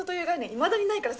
いまだにないからさ